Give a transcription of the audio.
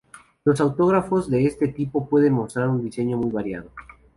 Los autógrafos de este tipo pueden mostrar un diseño muy variado.